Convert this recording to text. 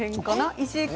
石井君！